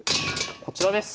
こちらです。